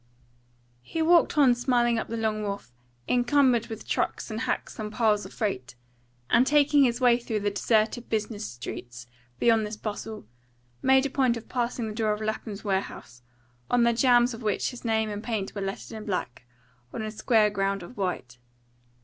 He walked on smiling up the long wharf, encumbered with trucks and hacks and piles of freight, and, taking his way through the deserted business streets beyond this bustle, made a point of passing the door of Lapham's warehouse, on the jambs of which his name and paint were lettered in black on a square ground of white.